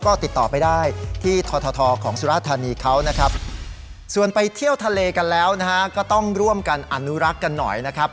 ก็ติดต่อไปได้ที่ททของสุราธานีเขานะครับส่วนไปเที่ยวทะเลกันแล้วนะฮะก็ต้องร่วมกันอนุรักษ์กันหน่อยนะครับ